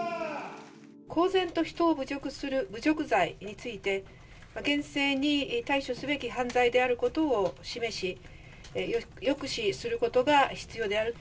公然と人を侮辱する、侮辱罪について、厳正に対処すべき犯罪であることを示し、抑止することが必要であると。